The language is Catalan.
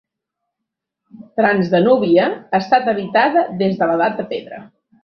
Transdanúbia ha estat habitada des de l'edat de pedra.